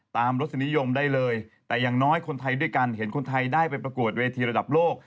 รสนิยมได้เลยแต่อย่างน้อยคนไทยด้วยกันเห็นคนไทยได้ไปประกวดเวทีระดับโลก